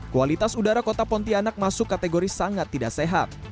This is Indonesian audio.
kualitas udara kota pontianak masuk kategori sangat tidak sehat